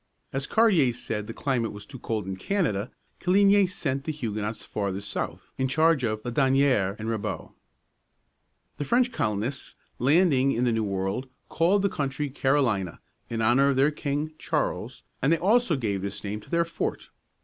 As Cartier said the climate was too cold in Canada, Coligny sent the Huguenots farther south, in charge of Laudonnière (lo do ne ār´) and Ribault (re bo´). The French colonists, landing in the New World, called the country Carolina, in honor of their king, Charles, and they also gave this name to their fort.